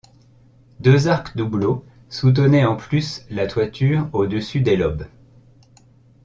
Deux arcs-doubleaux soutenaient en plus la toiture au-dessus des lobes.